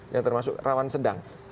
yang termasuk rawan sedang